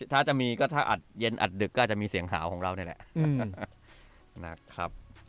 ถ้าจะมีก็ถ้าอัดเย็นอัดดึกก็อาจจะมีเสียงสาวของเรานี่แหละนะครับ